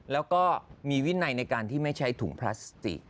แล้วก็มีวินัยในการที่ไม่ใช้ถุงพลาสติก